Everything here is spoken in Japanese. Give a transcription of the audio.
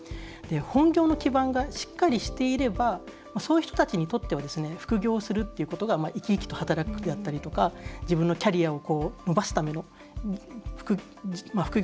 本業の基盤がしっかりしていればそういう人たちにとっては副業をするということが生き生きと働くであったりとか自分のキャリアを伸ばすための副業。